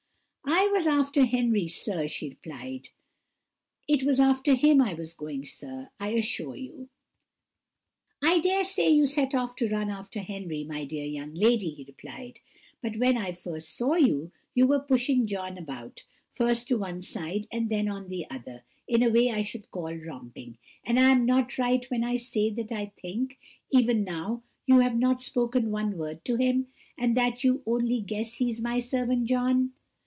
"I was after Henry, sir!" she replied: "it was after him I was going, sir, I assure you." "I dare say you set off to run after Henry, my dear young lady," he replied; "but when I first saw you, you were pushing John about, first on one side and then on the other, in a way I should call romping; and am I not right when I say that I think, even now, you have not spoken one word to him, and that you only guess he is my servant John?